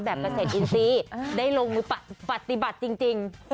เกษตรอินทรีย์ได้ลงมือปฏิบัติจริง